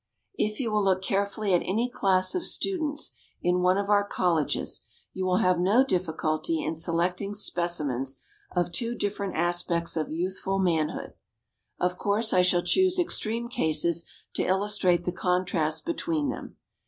If you will look carefully at any class of students in one of our colleges, you will have no difficulty in selecting specimens of two different aspects of youthful manhood. Of course I shall choose extreme cases to illustrate the contrast between them.